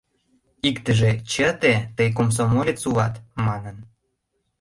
Иктыже «Чыте, тый комсомолец улат» манын.